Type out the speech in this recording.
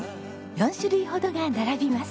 ４種類ほどが並びます。